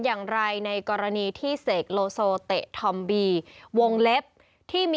เขาเขียนบอกว่า